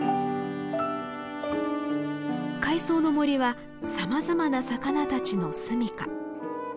海藻の森はさまざまな魚たちの住みか。